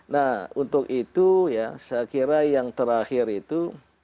nah untuk itu ya saya kira yang terakhir itu